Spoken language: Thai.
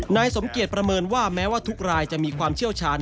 นายสมเกียจประเมินว่าแม้ว่าทุกรายจะมีความเชี่ยวชาญ